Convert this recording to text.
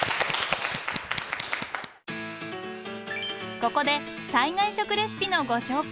ここで災害食レシピのご紹介。